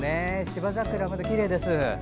芝桜、まだきれいです。